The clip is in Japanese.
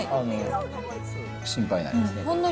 心配ないですね。